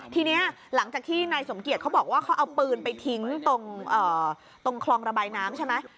ทีนี้หลังจากที่นายสมเกียจเขาบอกว่าเขาเอาปืนไปทิ้งตรงคลองระบายน้ำใช่ไหม